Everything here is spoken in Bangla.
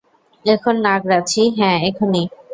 এখন না, গ্রাছি - হ্যা, এখনি!